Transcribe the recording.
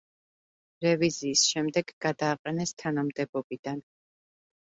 რევიზიის შემდეგ გადააყენეს თანამდებობიდან.